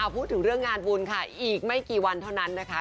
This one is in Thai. พูดถึงเรื่องงานบุญค่ะอีกไม่กี่วันเท่านั้นนะคะ